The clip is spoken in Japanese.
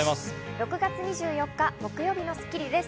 ６月２４日、木曜日の『スッキリ』です。